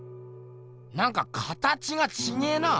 なんか形がちげえな。